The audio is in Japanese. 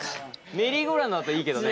メリーゴーランドだといいけどね。